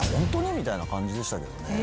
みたいな感じでしたけどね。